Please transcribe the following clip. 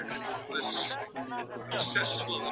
د ځوانۍ پړاو ډیر حساس وي.